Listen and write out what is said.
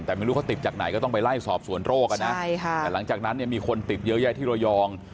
แต่ไม่รู้เขาติดจากไหนก็ต้องไปไล่สอบสวนโรคอ่ะนะแต่หลังจากนั้นเนี่ยมีคนติดเยอะแยะที่ระยอง